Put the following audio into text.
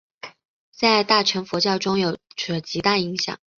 在大乘佛教中有着极大影响。